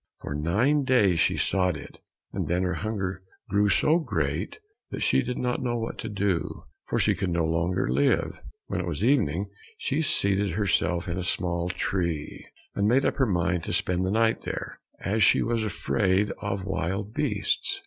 For nine days she sought it, and then her hunger grew so great that she did not know what to do, for she could no longer live. When it was evening, she seated herself in a small tree, and made up her mind to spend the night there, as she was afraid of wild beasts.